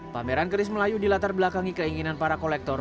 pameran keris melayu dilatar belakangi keinginan para kolektor